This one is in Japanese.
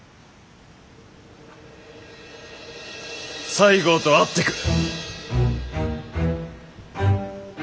西郷と会ってくる！